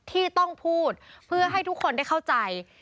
ที่ต้องพูดเพื่อให้ทุกคนได้เข้าใจ